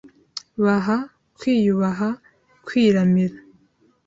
baha , kwiyubaha, kwiramira